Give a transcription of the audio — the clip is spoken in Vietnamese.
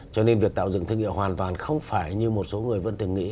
cho nên việc tạo dựng thương hiệu hoàn toàn không phải như một số người vẫn thường nghĩ